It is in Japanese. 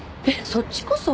そっちこそ。